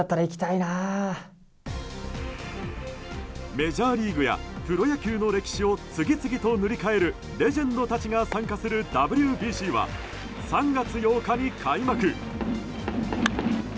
メジャーリーグやプロ野球の歴史を次々と塗り替えるレジェンドたちが参加するＷＢＣは３月８日に開幕。